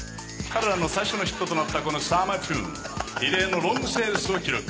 彼らの最初のヒットとなったこのサマーチューン異例のロングセールスを記録。